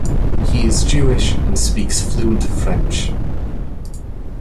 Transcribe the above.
He is Jewish and speaks fluent French.